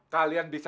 kalian bisa berjaya